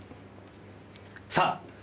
さあ。